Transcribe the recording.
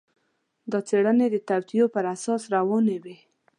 دا څېړنې د توطیو پر اساس روانې دي.